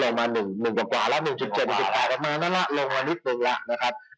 ลงมานิดนึงแล้วนะครับ